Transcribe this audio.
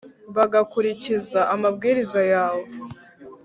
bagakurikiza amabwiriza yawe